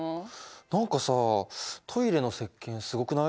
何かさトイレのせっけんすごくない？